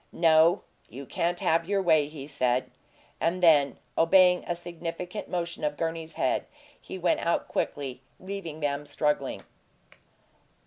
"No. You can't have your way," he said. And then, obeying a significant motion of Gurney's head, he went out quickly, leaving them struggling.